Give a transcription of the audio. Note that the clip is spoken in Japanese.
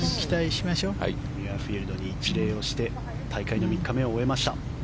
ミュアフィールドに一礼して大会の３日目を終えました。